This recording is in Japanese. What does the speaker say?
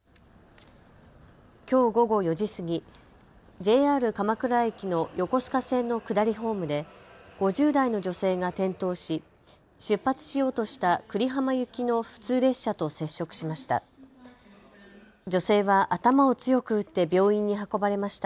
きょう午後４時過ぎＪＲ鎌倉駅の横須賀線の下りホームで５０代の女性が転倒し出発しようとした久里浜行きの普通列車と接触しました。